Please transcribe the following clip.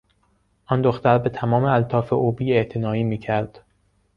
آن دختر به تمام الطاف او بیاعتنایی میکرد.